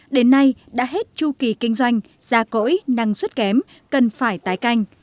đến nay đã hết chu kỳ kinh doanh gia cỗi năng suất kém cần phải tái canh